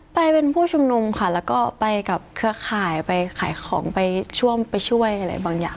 ไปเป็นผู้ชุมนุมค่ะแล้วก็ไปกับเครือข่ายไปขายของไปช่วยอะไรบางอย่าง